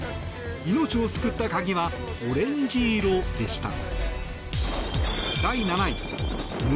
命を救った鍵はオレンジ色でした。